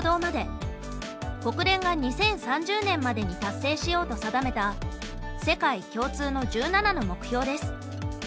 国連が２０３０年までに達成しようと定めた世界共通の１７の目標です。